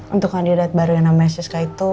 untuk kandidat baru yang namanya siska itu